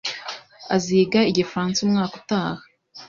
aziga igifaransa umwaka utaha.